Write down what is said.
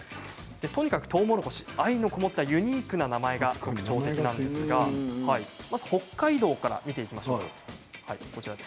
とにかく、とうもろこし愛のこもったユニークな名前が特徴的なんですがまずは北海道から見ていきましょう。